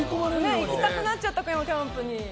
行きたくなっちゃったキャンプに。